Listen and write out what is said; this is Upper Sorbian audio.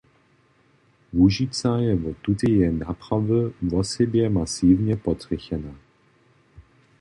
Łužica je wot tuteje naprawy wosebje masiwnje potrjechena.